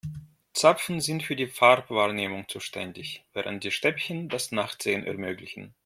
Zapfen sind für die Farbwahrnehmung zuständig, während die Stäbchen das Nachtsehen ermöglichen.